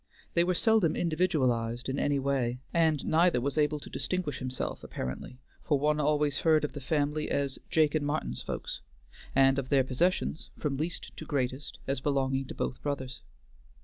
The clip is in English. They were seldom individualized in any way, and neither was able to distinguish himself, apparently, for one always heard of the family as Jake and Martin's folks, and of their possessions, from least to greatest, as belonging to both brothers.